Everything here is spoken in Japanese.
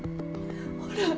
ほら！